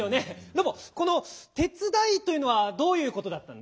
ロボこの「てつだい」というのはどういうことだったんだ？